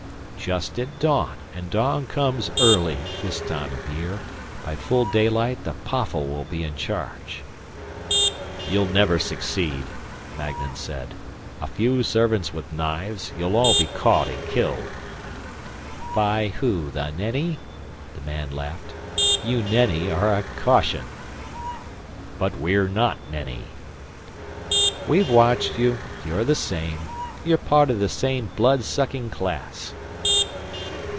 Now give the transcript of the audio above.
"Just at dawn; and dawn comes early, this time of year. By full daylight the PAFFL will be in charge." "You'll never succeed," Magnan said. "A few servants with knives! You'll all be caught and killed." "By who, the Nenni?" the man laughed. "You Nenni are a caution." "But we're not Nenni " "We've watched you; you're the same. You're part of the same blood sucking class."